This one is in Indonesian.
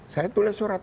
saya tulis surat